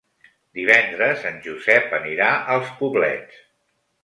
Divendres en Josep anirà als Poblets.